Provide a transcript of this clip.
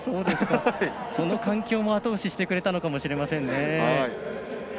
その環境もあと押ししてくれたのかもしれませんね。